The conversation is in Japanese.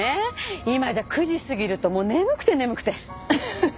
今じゃ９時過ぎるともう眠くて眠くて。